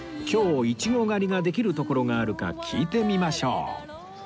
今日イチゴ狩りができる所があるか聞いてみましょう